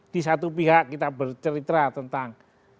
di satu pihak kita bercerita tentang